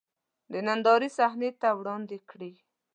د نندارې صحنې ته وړاندې کړي.